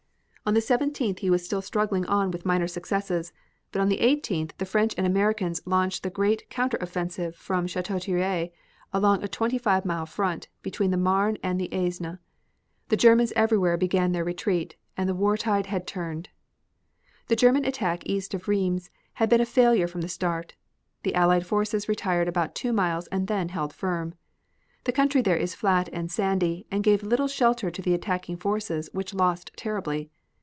On the 17th he was still struggling on with minor successes but on July 18th the French and Americans launched the great counter offensive from Chateau Thierry along a twenty five mile front, between the Marne and the Aisne. The Germans everywhere began their retreat and the war tide had turned. The German attack east of Rheims had been a failure from the start. The Allied forces retired about two miles and then held firm. The country there is flat and sandy and gave little shelter to the attacking forces which lost terribly.